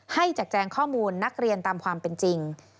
แจกแจงข้อมูลนักเรียนตามความเป็นจริง